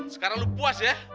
sekarang lo puas ya